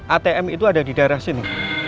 atm itu ada di daerah sini